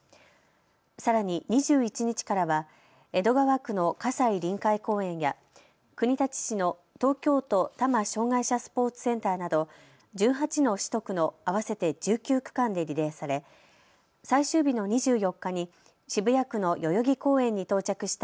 さらに２１日からは江戸川区の葛西臨海公園や国立市の東京都多摩障害者スポーツセンターなど１８の市と区の合わせて１９区間でリレーされ最終日の２４日に渋谷区の代々木公園に到着した